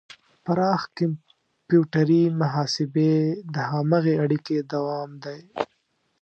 پراخ کمپیوټري محاسبې د هماغې اړیکې دوام دی.